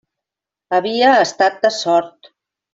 Havia estat de sort.